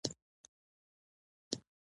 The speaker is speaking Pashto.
دا په اقتصاد کې ده.